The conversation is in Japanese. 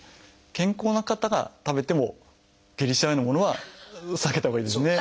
健康な方が食べても下痢しちゃうようなものは避けたほうがいいですね。